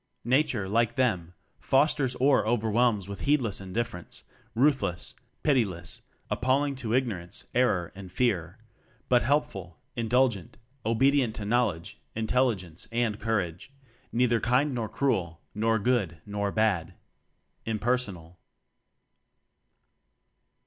Nature, like them, fosters or over whelms with heedless indifference; ruthless, pitiless, appalling to ignor ance, error, and fear; but helpful, in dulgent, obedient to knowledge, intelligence and courage; neither kind nor cruel, nor good, nor bad impersonal.